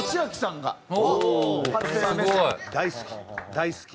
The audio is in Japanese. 大好き。